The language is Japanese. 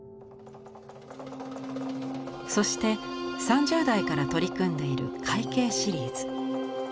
そして３０代から取り組んでいる「海景」シリーズ。